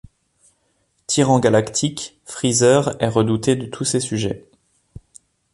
Tyran galactique, Freezer est redouté de tous ses sujets.